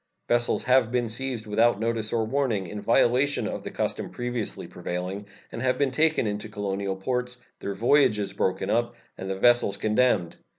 Vessels have been seized without notice or warning, in violation of the custom previously prevailing, and have been taken into the colonial ports, their voyages broken up, and the vessels condemned.